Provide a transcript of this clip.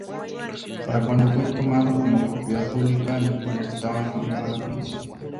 Para cuando fue tomado como propiedad publica, el puente estaba en muy mala condición.